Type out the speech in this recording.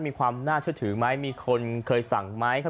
มีความน่าเชื่อถือไหมมีคนเคยสั่งไหม